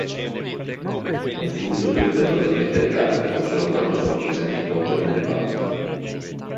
Un flusso è autorizzato a trasmettere traffico solo quando sono presenti token nel bucket.